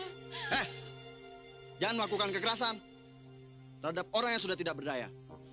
hei jangan melakukan kekerasan terhadap orang yang sudah tidak berdaya